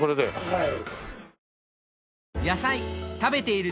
はい。